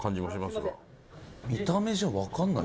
千賀：見た目じゃわかんない。